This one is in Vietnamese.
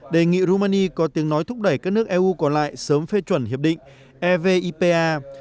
đề nghị romani có tiếng nói thúc đẩy các nước eu còn lại sớm phê chuẩn hiệp định evipa